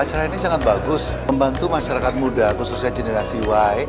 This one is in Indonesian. acara ini sangat bagus membantu masyarakat muda khususnya generasi y